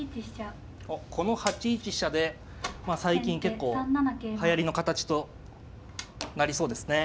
おっこの８一飛車で最近結構はやりの形となりそうですね。